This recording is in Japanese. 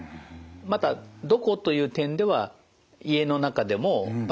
また「どこ」という点では家の中でも場所がわからない。